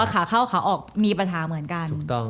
ขาเข้าขาออกมีปัญหาเหมือนกัน